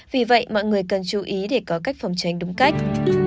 vì vậy mọi người cần chú ý để có cách phòng tránh đúng cách